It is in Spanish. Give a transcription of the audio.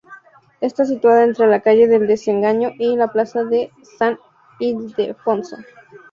Está situada entre la calle del Desengaño y la plaza de San Ildefonso.